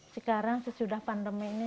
sekarang sesudah pandemi ini